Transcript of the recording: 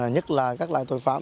nhất là các loại tội phạm